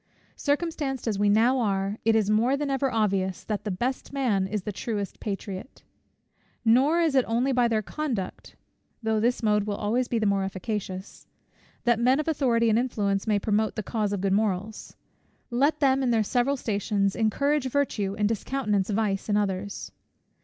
Circumstanced as we now are, it is more than ever obvious, that the best man is the truest patriot. Nor is it only by their personal conduct, (though this mode will always be the most efficacious) that men of authority and influence may promote the cause of good morals. Let them in their several stations encourage virtue and discountenance vice in others.